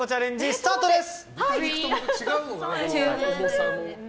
スタートです！